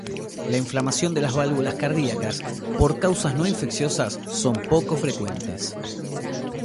La inflamación de las válvulas cardíacas por causas no infecciosas son poco frecuentes.